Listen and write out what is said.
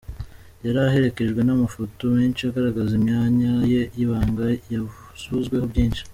Yari aherekejwe n’amafoto menshi agaragaza imyanya ye y’ibanga yavuzweho byinshi.